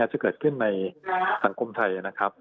จะเกิดขึ้นในสังคมไทยนะครับ